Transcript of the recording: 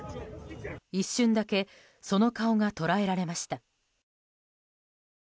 一瞬だけその顔が捉えられました。